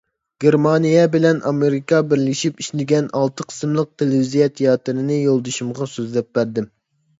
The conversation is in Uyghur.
گېرمانىيە بىلەن ئامېرىكا بىرلىشىپ ئىشلىگەن ئالتە قىسىملىق تېلېۋىزىيە تىياتىرىنى يولدىشىمغا سۆزلەپ بەردىم.